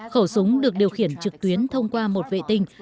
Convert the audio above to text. khẩu súng được điều khiển trực tuyến thông qua một vệ tinh